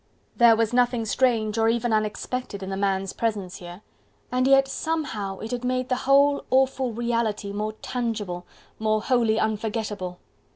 There was nothing strange or even unexpected in the man's presence here; and yet somehow it had made the whole, awful reality more tangible, more wholly unforgettable.